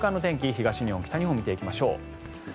東日本、北日本を見ていきましょう。